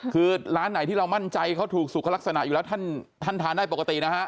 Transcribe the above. คือร้านไหนที่เรามั่นใจเขาถูกสุขลักษณะอยู่แล้วท่านทานได้ปกตินะฮะ